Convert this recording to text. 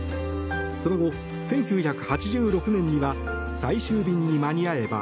その後、１９８６年には「最終便に間に合えば」